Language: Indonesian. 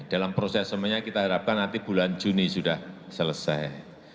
dalam proses semuanya kita harapkan nanti bulan juni sudah selesai